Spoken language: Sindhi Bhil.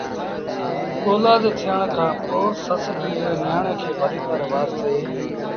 اوآد ٿيڻ کآݩ پو سس پنڊري نيٚآڻي کي ڀليٚڪآر وآرسي